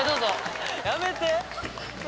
やめて！